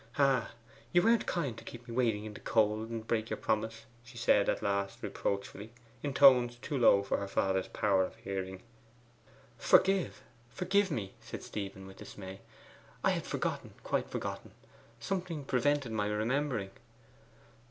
'Ah, you weren't kind to keep me waiting in the cold, and break your promise,' she said at last reproachfully, in tones too low for her father's powers of hearing. 'Forgive, forgive me!' said Stephen with dismay. 'I had forgotten quite forgotten! Something prevented my remembering.